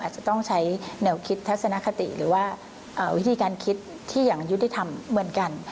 อาจจะต้องใช้แนวคิดทัศนคติหรือว่าวิธีการคิดที่อย่างยุติธรรมเหมือนกัน